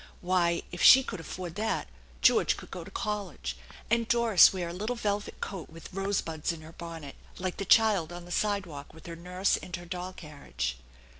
Why, if she could afford that, George could v go to college, and Doris wear a little velvet coat with rose buds in her bonnet, like the child on the sidewalk with her nurse and her doll carriage.